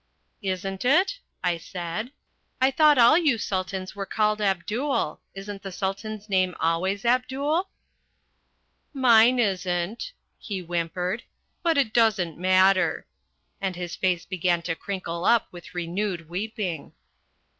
"Isn't it?" I said. "I thought all you Sultans were called Abdul. Isn't the Sultan's name always Abdul?" "Mine isn't," he whimpered, "but it doesn't matter," and his face began to crinkle up with renewed weeping.